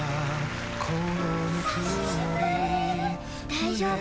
大丈夫。